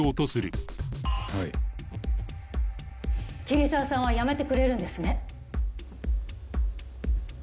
桐沢さんは辞めてくれるんですね？